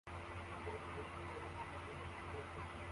Abakobwa babiri bambaye imyenda itukura bakina hamwe